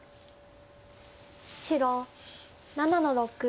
白７の六。